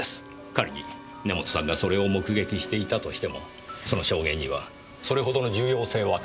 仮に根元さんがそれを目撃していたとしてもその証言にはそれほどの重要性は感じません。